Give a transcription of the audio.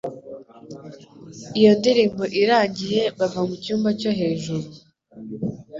Iyo ndirimbo irangiye bava mu cyumba cyo hejuru,